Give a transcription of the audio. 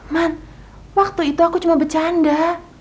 man waktu itu aku cuma bercanda